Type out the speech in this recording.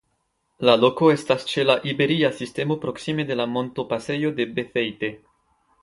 La loko estas ĉe la Iberia Sistemo proksime de la montopasejo de Beceite.